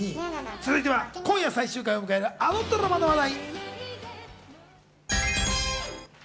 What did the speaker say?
続いて今夜、最終回を迎えるあのドラマの話題。